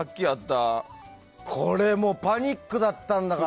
これもパニックだった。